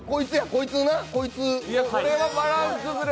こいつや、こいつ。